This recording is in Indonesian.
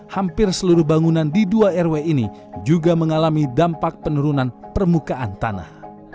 hampir seluruh bangunan di dua rw ini juga mengalami dampak penurunan permukaan tanah